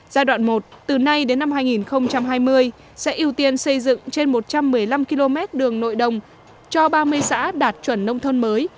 giai đoạn một từ nay đến năm hai nghìn hai mươi sẽ ưu tiên xây dựng trên một trăm một mươi năm km đường nội đồng cho ba mươi xã đạt chuẩn nông thôn mới